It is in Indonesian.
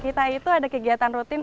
kita itu ada kegiatan rutin